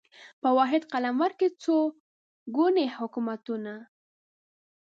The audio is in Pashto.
په واحد قلمرو کې څو ګوني حکومتونه